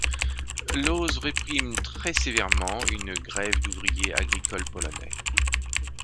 Lohse réprime très sévèrement une grève d'ouvriers agricoles polonais.